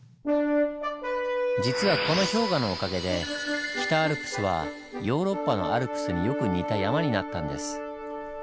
実はこの氷河のおかげで北アルプスはヨーロッパのアルプスによく似た山になったんです。